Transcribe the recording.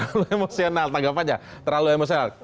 kalau emosional tanggapannya terlalu emosional